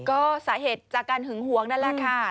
ก็สาเหตุจากการหึงหวงนั่นแหละค่ะ